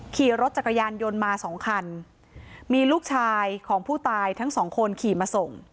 ขี่รถจักรยานยนต์มาสองคันมีลูกชายของผู้ตายทั้งสองคนขี่มาส่ง